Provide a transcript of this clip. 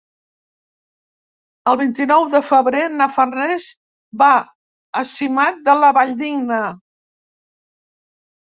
El vint-i-nou de febrer na Farners va a Simat de la Valldigna.